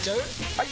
・はい！